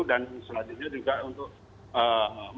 dan selanjutnya juga untuk